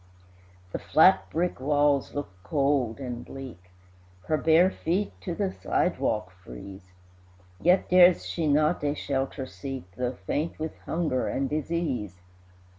The flat brick walls look cold and bleak, Her bare feet to the sidewalk freeze; Yet dares she not a shelter seek, Though faint with hunger and disease.